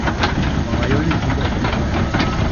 Wangayoo ni tinde okethoree ahinya